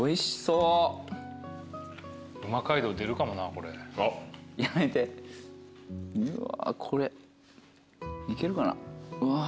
うわこれいけるかな？